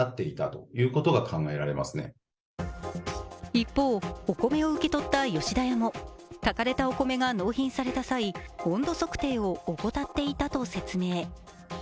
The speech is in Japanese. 一方、お米を受け取った吉田屋も炊かれたお米が納品された際、温度測定を怠っていたと説明。